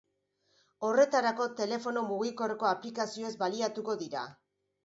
Horretarako, telefono mugikorreko aplikazioez baliatuko dira.